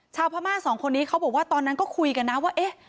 พม่าสองคนนี้เขาบอกว่าตอนนั้นก็คุยกันนะว่าเอ๊ะ